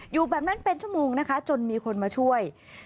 อยู่แบบนั้นเป็นชั่วโมงนะคะจนมีคนมาช่วย